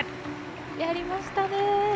やりましたね！